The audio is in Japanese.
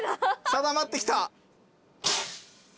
定まってきた。